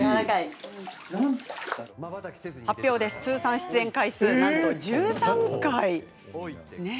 通算出演回数は、なんと１３回！